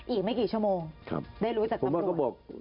อีกไม่กี่ชั่วโมงได้รู้จากทัพรวจครับผมว่าก็บอก